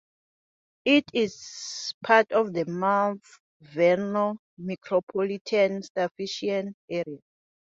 It is part of the Mount Vernon Micropolitan Statistical Area.